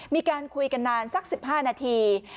มีการคุยกันนานสัก๑๕นาที